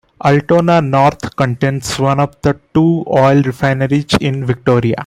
Altona North contains one of two oil refineries in Victoria.